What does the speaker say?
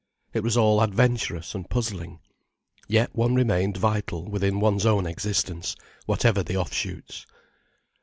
It was all adventurous and puzzling. Yet one remained vital within one's own existence, whatever the off shoots.